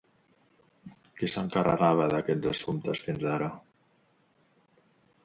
Qui s'encarregava d'aquests assumptes fins ara?